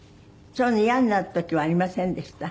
そういうの嫌になる時はありませんでした？